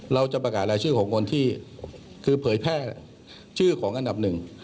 เราจะประกาศรายชื่อของคนที่คือเผยแพร่ชื่อของอันดับหนึ่ง